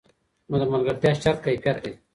نو د ملګرتیا شرط کیفیت دی.